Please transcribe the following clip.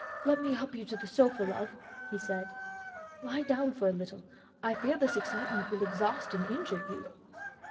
"Let me help you to the sofa, love," he said. "Lie down for a little. I fear this excitement will exhaust and injure you."